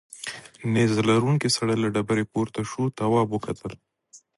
نیزه لرونکی سړی له ډبرې پورته شو تواب وکتل.